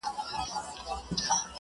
مامې په سکروټو کې خیالونه ورلېږلي وه.!